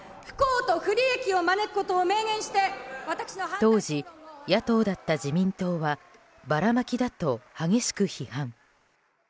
当時、野党だった自民党はばらまきだと、激しく批判。